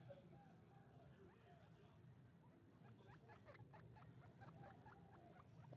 uingiliaji mkubwa zaidi wa kigeni nchini Kongo katika kipindi cha muongo mmoja